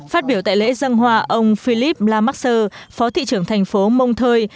phát biểu tại lễ dâng hòa ông philippe lamaxer phó thị trưởng thành phố montreux